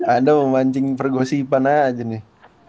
anda memancing pergosipan aja nih